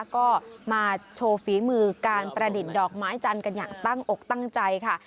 ก็มาโชว์ฝีมือการประดิษฐ์ดอกไม้จันทร์กันอย่างตั้งอกตั้งใจค่ะ